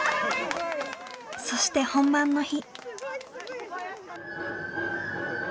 そして本番の日。